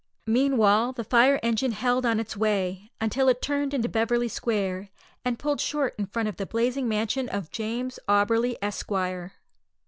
Meanwhile, the fire engine held on its way, until it turned into Beverly Square, and pulled short up in front of the blazing mansion of James Auberly, Esquire.